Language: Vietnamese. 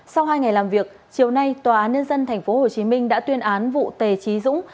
sau hai ngày làm việc chiều nay tòa án nhân dân tp hcm đã tuyên án vụ tề trí dũng